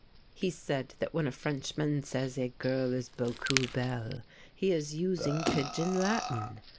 He said when a Frenchman says a girl is 'beaucoup belle,' he is using pidgin Latin.